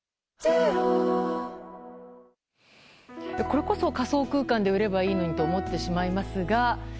これこそ仮想空間で売ればいいのにと思ってしまいますが。